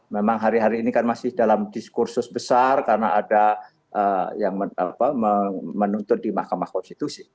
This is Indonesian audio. memang hari hari ini kan masih dalam diskursus besar karena ada yang menuntut di mahkamah konstitusi